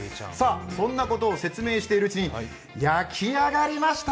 そんなことを説明しているうちに焼き上がりました。